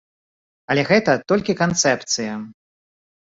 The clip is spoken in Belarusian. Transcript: Але гэта толькі канцэпцыя!